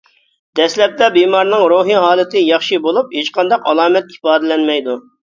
دەسلەپتە بىمارنىڭ روھىي ھالىتى ياخشى بولۇپ، ھېچقانداق ئالامەت ئىپادىلەنمەيدۇ.